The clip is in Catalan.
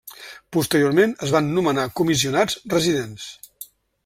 Posteriorment es van nomenar comissionats residents.